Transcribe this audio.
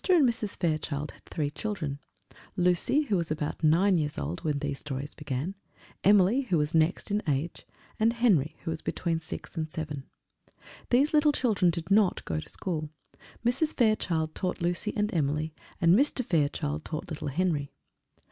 and Mrs. Fairchild had three children: Lucy, who was about nine years old when these stories began; Emily, who was next in age; and Henry, who was between six and seven. These little children did not go to school: Mrs. Fairchild taught Lucy and Emily, and Mr. Fairchild taught little Henry.